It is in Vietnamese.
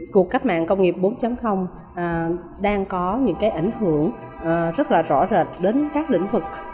cuộc cách mạng công nghiệp bốn đang có những ảnh hưởng rất là rõ rệt đến các lĩnh vực